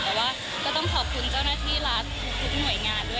แต่ว่าก็ต้องขอบคุณเจ้าหน้าที่รัฐทุกหน่วยงานด้วยค่ะที่ให้คำแนะนำเป็นอย่างดีนะคะ